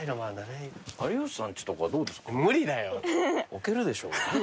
置けるでしょ。